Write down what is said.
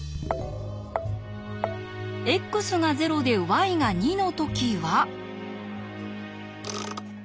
ｘが０でｙが２の時は。